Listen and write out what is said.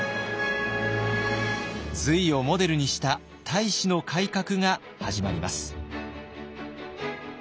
隋をモデルにした太子の改革が始まります。